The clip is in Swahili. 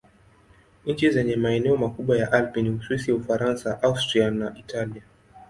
Nchi zenye maeneo makubwa ya Alpi ni Uswisi, Ufaransa, Austria na Italia.